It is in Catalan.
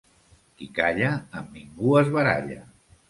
Qui calla, amb ningú es baralla.